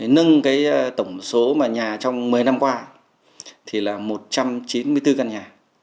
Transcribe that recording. nâng cái tổng số mà nhà trong một mươi năm qua thì là một trăm chín mươi bốn căn nhà